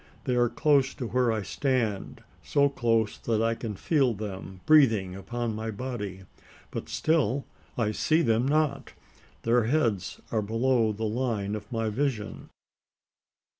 They are close to where I stand so close that I can feel them breathing upon my body but still I see them not. Their heads are below the line of my vision.